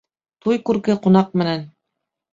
Туй күрке ҡунаҡ менән.